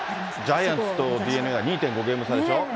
ジャイアンツとＤｅＮＡが２．５ゲーム差でしょ。